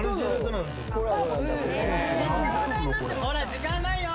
・時間ないよ！